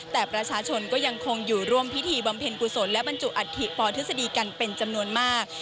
แต่ประชาชนก็ยังคงอยู่ร่วมพิธีบำเพ็ญกุศลและบรรจุอัฐิปอทฤษฎีกันเป็นจำนวนมาก